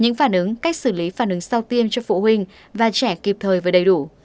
những phản ứng cách xử lý phản ứng sau tiêm cho phụ huynh và trẻ kịp thời và đầy đủ